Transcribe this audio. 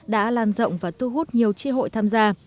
đã lan rộng và thu hút nhiều tri hội tham gia